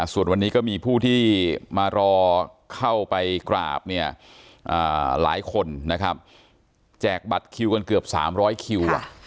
ส่วนวันนี้ก็มีผู้ที่มารอเข้าไปกราบเนี่ยหลายคนนะครับแจกบัตรคิวกันเกือบ๓๐๐คิว